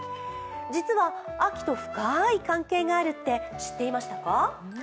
実は秋と深い関係があるって知っていましたか？